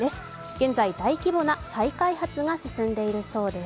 現在、大規模な再開発が進んでいるそうです。